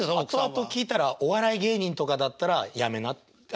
後々聞いたらお笑い芸人とかだったらやめなあ